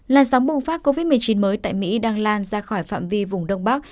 làn sóng bùng phát covid một mươi chín mới tại mỹ đang lan ra khỏi phạm vi vùng đông bắc